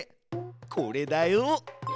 これだよ。